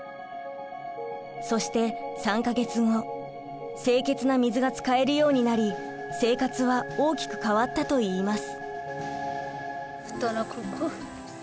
そして３か月後清潔な水が使えるようになり生活は大きく変わったといいます。